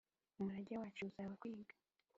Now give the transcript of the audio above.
umurage wacu uzaba kwiga